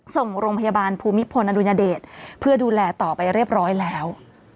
ส่งโรงพยาบาลภูมิพลอดุญเดชเพื่อดูแลต่อไปเรียบร้อยแล้ว